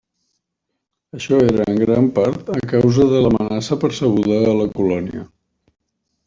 Això era en gran part a causa de l'amenaça percebuda a la colònia.